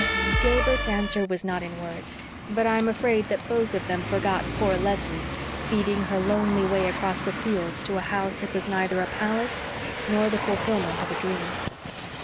Gilbert's answer was not in words; but I am afraid that both of them forgot poor Leslie speeding her lonely way across the fields to a house that was neither a palace nor the fulfillment of a dream.